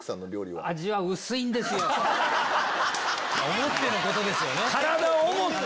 思ってのことですよね。